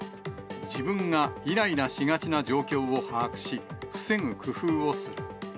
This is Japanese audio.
自分がいらいらしがちな状況を把握し、防ぐ工夫をする。